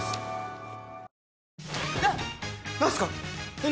えっ？